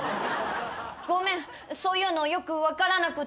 ごめんそういうのよく分からなくって。